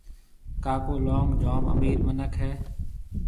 ڪاڪو لونگ جوم امِير مِنک هيَ۔